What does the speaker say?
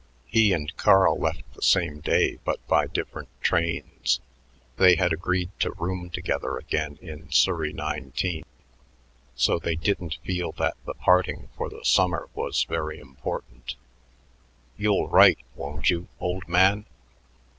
He and Carl left the same day but by different trains. They had agreed to room together again in Surrey 19; so they didn't feel that the parting for the summer was very important. "You'll write, won't you, old man?"